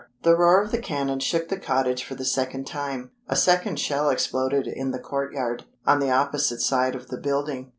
The roar of the cannon shook the cottage for the second time. A second shell exploded in the courtyard, on the opposite side of the building.